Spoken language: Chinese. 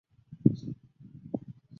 瓮津线